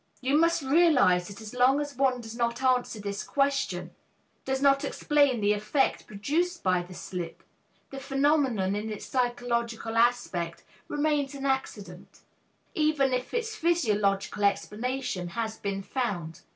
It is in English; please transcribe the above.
You must realize that as long as one does not answer this question does not explain the effect produced by the slip the phenomenon in its psychological aspect remains an accident, even if its physiological explanation has been found.